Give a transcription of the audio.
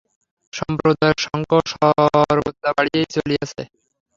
সম্প্রদায়ের সংখ্যাও সর্বদা বাড়িয়াই চলিয়াছে।